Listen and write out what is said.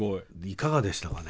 いかがでしたかね？